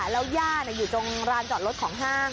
แล้วย่าอยู่ตรงร้านจอดรถของห้าง